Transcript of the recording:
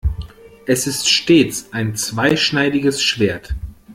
Es ist stets ein zweischneidiges Schwert.